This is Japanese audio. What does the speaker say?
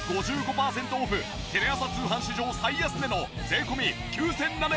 パーセントオフテレ朝通販史上最安値の税込９７８０円。